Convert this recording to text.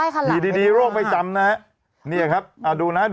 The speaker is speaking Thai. ใกล้ล่ะไม่กลัว